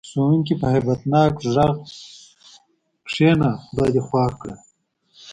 ښوونکي په هیبت ناک غږ: کېنه خدای دې خوار کړه.